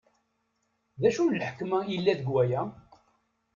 D acu n lḥekma i yella deg waya?